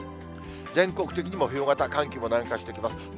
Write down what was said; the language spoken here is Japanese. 全国的にも冬型、寒気も南下してきます。